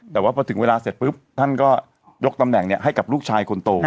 แต่ว่าพอถึงเวลาเสร็จปุ๊บท่านก็ยกตำแหน่งให้กับลูกชายคนโต